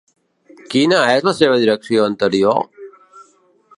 Quina és la seva direcció anterior?